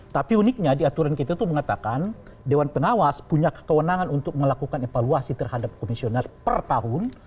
tapi uniknya di aturan kita itu mengatakan dewan pengawas punya kewenangan untuk melakukan evaluasi terhadap komisioner per tahun